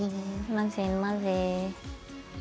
混ぜ混ぜ。